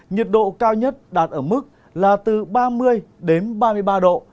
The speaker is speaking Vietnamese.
nhiệt độ cao nhất đạt ở mức là từ ba mươi đến ba mươi ba độ